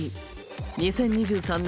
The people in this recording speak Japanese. ２０２３年